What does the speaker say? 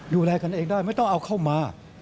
ดูแลกันเองได้ไม่ต้องเอาเข้ามา